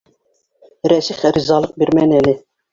Рәсих ризалыҡ бирмәне әле!